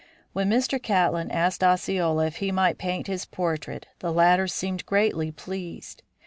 When Mr. Catlin asked Osceola if he might paint his portrait the latter seemed greatly pleased.